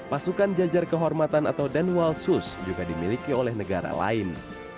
pasukan jajar kehormatan atau denwalsus juga dimiliki oleh negara lain